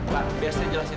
pak biar saya jelasin